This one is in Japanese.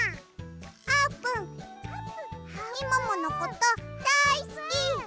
「あーぷんみもものことだいすき！」。